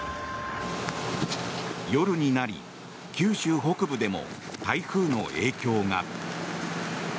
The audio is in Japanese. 夜になり、九州北部でも台風の影響が。